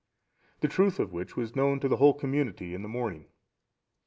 The truth of which was known to the whole community in the morning.